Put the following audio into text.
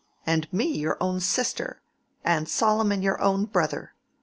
And me your own sister, and Solomon your own brother!